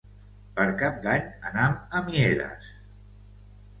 Per Cap d'Any anam a Mieres.